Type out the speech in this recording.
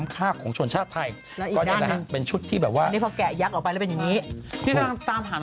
อันนี้โดนโดนใครตกมา